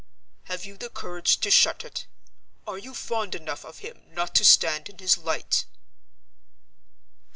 Have you the courage to shut it? Are you fond enough of him not to stand in his light?"